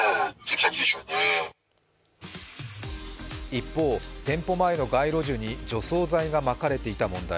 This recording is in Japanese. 一方、店舗前の街路樹に除草剤がまかれていた問題。